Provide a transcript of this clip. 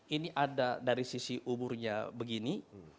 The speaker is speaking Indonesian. ini ada dari sisi umurnya begini